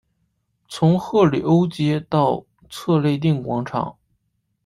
从赫里欧街到策肋定广场。